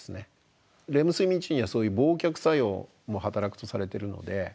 レム睡眠中にはそういう忘却作用も働くとされてるので。